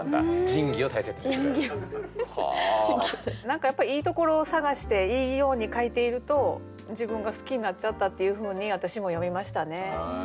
何かやっぱりいいところを探していいように書いていると自分が好きになっちゃったっていうふうに私も読みましたね。